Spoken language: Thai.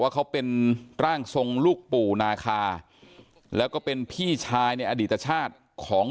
เขาเป็นร่างทรงลูกปู่นาคาแล้วก็เป็นพี่ชายในอดีตชาติของ